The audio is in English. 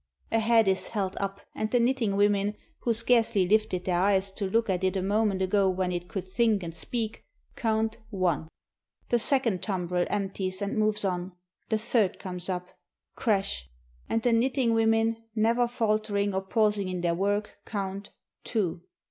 — A head is held up, and the knitting women, who scarcely lifted their eyes to look at it a moment ago when it could think and speak, count One. The second tumbrel empties and moves on ! the third comes up. Crash! — And the knitting women, never faltering or pausing in their work, count Two.